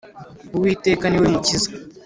Uwiteka niwe mukiza.